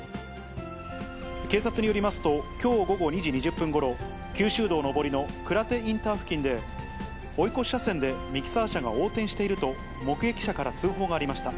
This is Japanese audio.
警察によりますと、きょう午後２時２０分ごろ、九州道上りの鞍手インター付近で、追い越し車線でミキサー車が横転していると、目撃者から通報がありました。